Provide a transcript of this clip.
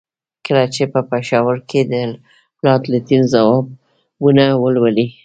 کله چې په پېښور کې د لارډ لیټن ځوابونه ولولي.